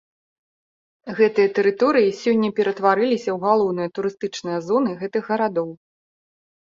Гэтыя тэрыторыі сёння ператварыліся ў галоўныя турыстычныя зоны гэтых гарадоў.